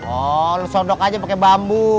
oh lu sodok aja pake bambu